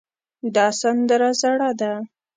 دا سندره زړه ده